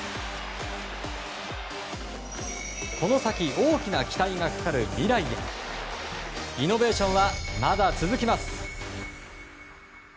この先大きな期待がかかる未来へイノベーションはまだ続きます。